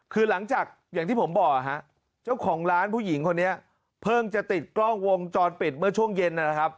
คือหลังจากอย่างที่ผมบอกฮะเจ้าของร้านผู้หญิงคนนี้เพิ่งจะติดกล้องวงจรปิดเมื่อช่วงเย็นนะครับ